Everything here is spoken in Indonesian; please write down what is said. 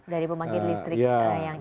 dari pemangkit listrik yang ini ya pak ya